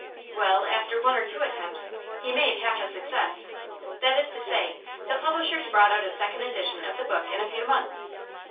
Well, after one or two attempts, he made half a success; that is to say, the publishers brought out a second edition of the book in a few months.